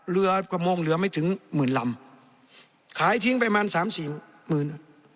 เรือประมงเหลือไม่ถึงหมื่นลำขายทิ้งประมาณสามสี่หมื่น